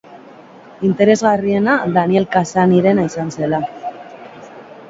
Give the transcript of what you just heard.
Interesgarriena Daniel Cassany-rena izan zela.